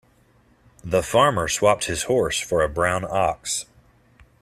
The farmer swapped his horse for a brown ox.